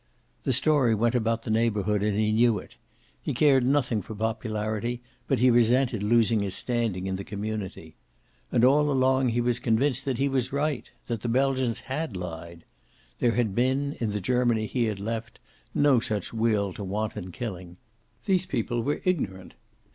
The story went about the neighborhood, and he knew it. He cared nothing for popularity, but he resented losing his standing in the community. And all along he was convinced that he was right; that the Belgians had lied. There had been, in the Germany he had left, no such will to wanton killing. These people were ignorant.